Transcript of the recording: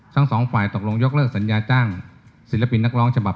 ทั้งสองฝ่ายตกลงยกเลิกสัญญาจ้างศิลปินนักร้องฉบับ